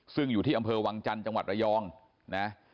ซึ่งอยู่ที่อำเภอวังจันทร์จังหวัดระยองนะ